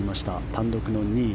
単独の２位。